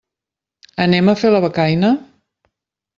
Anem a fer la becaina?